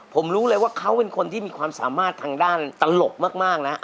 ผมรู้เลยว่าเขาเป็นคนที่มีความสามารถทางด้านตลกมากนะ